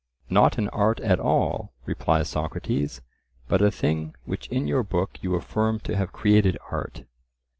Not an art at all, replies Socrates, but a thing which in your book you affirm to have created art.